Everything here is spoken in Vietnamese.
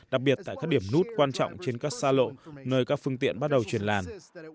đặc biệt tại các điểm nút quan trọng trên các xa lộ nơi các phương tiện bắt đầu chuyển làn